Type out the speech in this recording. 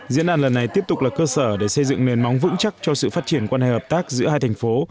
diễn đàn lần này tiếp tục là cơ sở để xây dựng nền móng vững chắc cho sự phát triển quan hệ hợp tác giữa hai thành phố